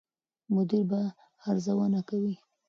مدیر به ارزونه کوي.